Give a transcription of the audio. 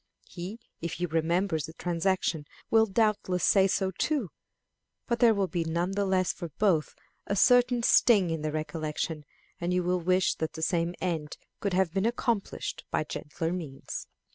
He, if he remembers the transaction, will doubtless say so too; but there will be none the less for both a certain sting in the recollection, and you will wish that the same end could have been accomplished by gentler means.